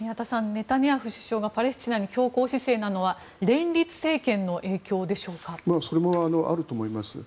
ネタニヤフ首相がパレスチナに強硬姿勢なのはそれもあると思います。